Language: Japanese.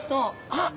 あっ。